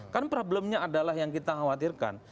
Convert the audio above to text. kan problemnya adalah yang kita khawatirkan